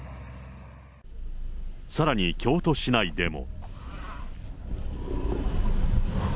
さらに京都市内でも。